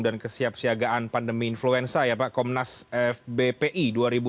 dan kesiapsiagaan pandemi influensa ya pak komnas bpi dua ribu enam dua ribu sepuluh